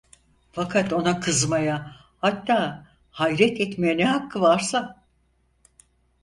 Fakat ona kızmaya, hatta hayret etmeye ne hakkı varsa?